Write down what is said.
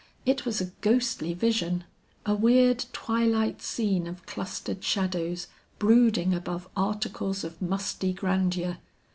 It was a ghostly vision. A weird twilight scene of clustered shadows brooding above articles of musty grandeur.